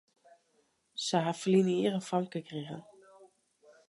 Sy ha ferline jier in famke krigen.